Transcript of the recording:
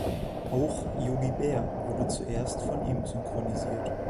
Auch "Yogi Bär" wurde zuerst von ihm synchronisiert.